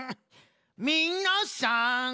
みなさん